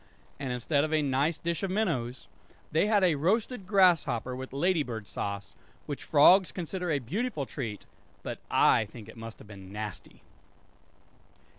And instead of a nice dish of minnows they had a roasted grasshopper with lady bird sauce; which frogs consider a beautiful treat; but I think it must have been nasty!